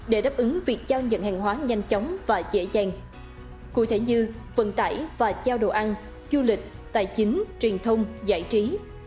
để đáp ứng việc giao nhận hàng hóa nhanh chóng và dễ dàng cụ thể như vận tải và trao đồ ăn du lịch tài chính truyền thông giải trí